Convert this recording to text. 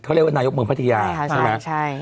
เขาเรียกว่านายกเมืองพัทยาใช่ไหม